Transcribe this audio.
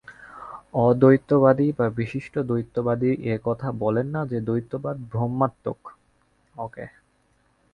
অদ্বৈতবাদী বা বিশিষ্টাদ্বৈতবাদী এ কথা বলেন না যে, দ্বৈতবাদ ভ্রমাত্মক।